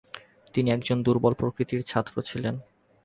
তিনি একজন দূর্বল প্রকৃতির ছাত্র ছিলেন।